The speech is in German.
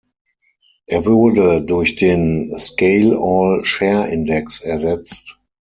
Er wurde durch den Scale-All-Share-Index ersetzt.